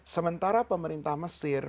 sementara pemerintah mesir